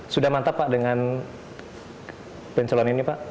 sudah mantap pak dengan pencelon ini pak